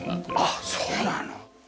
ああそうなの。